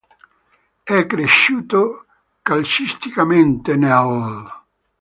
È cresciuto calcisticamente nell'.